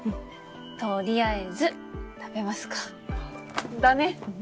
取りあえず食べますか。だね！